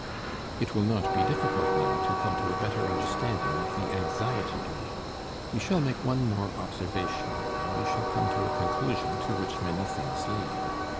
It will not be difficult now to come to a better understanding of the anxiety dream. We shall make one more observation, then we shall come to a conclusion to which many things lead.